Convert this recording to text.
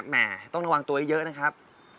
แหม่ต้องระวังตัวให้เยอะนะครับ